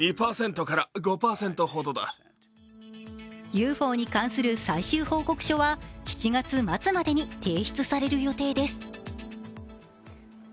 ＵＦＯに関する最終報告書は７月末までに提出される予定です。